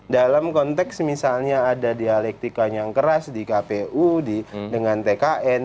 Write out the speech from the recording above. dalam konteks misalnya ada dialektika yang keras di kpu dengan tkn